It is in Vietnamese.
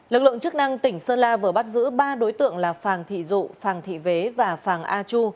lực lượng chức năng tỉnh sơn la vừa bắt giữ ba đối tượng là phàng thị dụ phàng thị vế và phàng a chu